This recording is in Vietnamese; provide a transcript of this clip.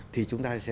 thì chúng ta sẽ